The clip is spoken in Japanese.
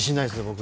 僕。